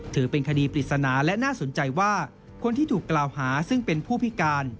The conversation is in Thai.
ถือเป็นคดีปริศนาและน่าสนใจว่าคนที่ถูกกล่าวหาซึ่งเป็นผู้พิการ